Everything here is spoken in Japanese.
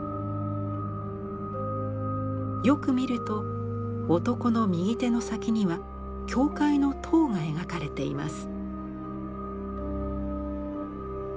よく見ると男の右手の先には教会の塔が描かれています。